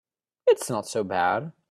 It's not so bad.